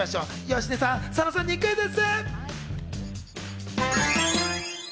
芳根さん、佐野さんにクイズッス！